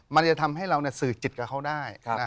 มันจะทำให้เราสื่อจิตกับเขาได้